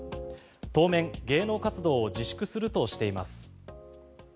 当面、芸能活動を自粛するとしています。